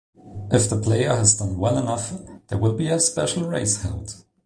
If the player has done well enough, there will be a special race held.